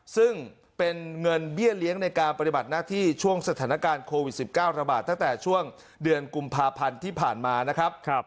ซึ่งเป็นเงินเบี้ยเลี้ยงในการปฏิบัติหน้าที่ช่วงสถานการณ์โควิด๑๙ระบาดตั้งแต่ช่วงเดือนกุมภาพันธ์ที่ผ่านมานะครับ